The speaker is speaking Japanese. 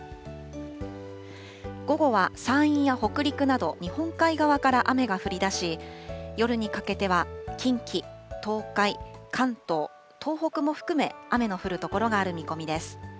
午後は山陰や北陸など、日本海側から雨が降りだし、夜にかけては、近畿、東海、関東、東北も含め、雨の降る所がある見込みです。